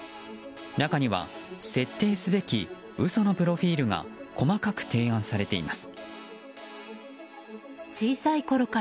中には、設定すべき嘘のプロフィールが細かく提案されています。